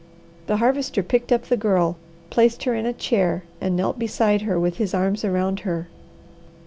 The Harvester picked up the Girl, placed her in a chair, and knelt beside her with his arms around her.